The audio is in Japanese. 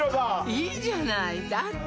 いいじゃないだって